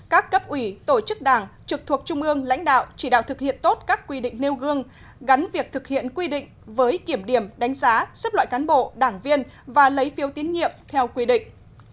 các cấp ủy tổ chức đảng trực thuộc trung ương lãnh đạo chỉ đạo thực hiện tốt các quy định nêu gương gắn việc thực hiện quy định với kiểm điểm đánh giá xếp loại cán bộ đảng viên và lấy phiếu tín nhiệm theo quy định